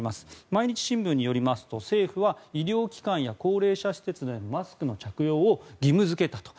毎日新聞によりますと政府は医療機関や高齢者施設でのマスクの着用を義務付けたと。